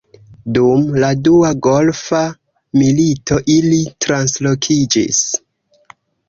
Dum la Dua Golfa Milito ili translokiĝis.